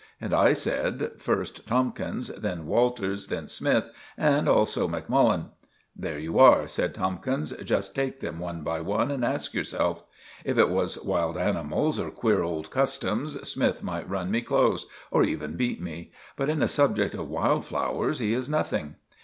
And I said, "First Tomkins, then Walters, then Smythe, and also Macmullen." "There you are," said Tomkins. "Just take them one by one and ask yourself. If it was wild animals, or queer old customs, Smythe might run me close, or even beat me; but in the subject of wild flowers he is nothing.